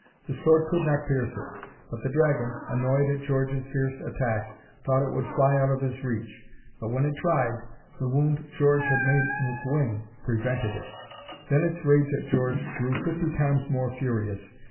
The sword could not pierce it, but the dragon, annoyed at George's fierce attack, thought it would fly out of his reach. But when it tried, the wound George had made in its wing prevented it. Then its rage at George grew fifty times more furious.